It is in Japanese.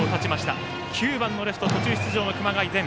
バッターは９番のレフト途中出場の熊谷禅。